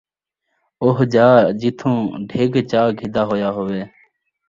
اُوہ جاء جِتُّھوں ڈِھڳ چا گِھدّا ہویا ہووے۔